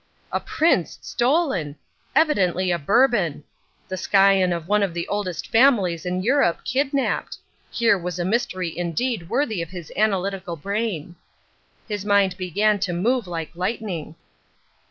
A prince stolen! Evidently a Bourbon! The scion of one of the oldest families in Europe kidnapped. Here was a mystery indeed worthy of his analytical brain. His mind began to move like lightning.